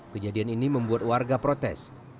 kejadian ini membuat warga protes